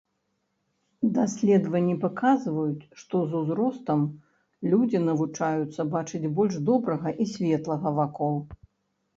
Даследаванні паказваюць, што з узростам людзі навучаюцца бачыць больш добрага і светлага вакол.